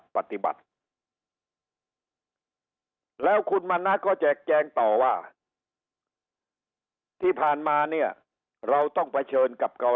ปฏิบัติแล้วคุณมณะก็แจกแจงต่อว่าที่ผ่านมาเนี่ยเราต้องเผชิญกับเก่า